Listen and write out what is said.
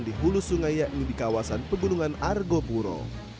di hulu sungai yakni di kawasan pegunungan argo puro